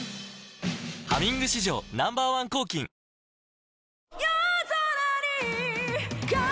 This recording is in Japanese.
「ハミング」史上 Ｎｏ．１ 抗菌もうさ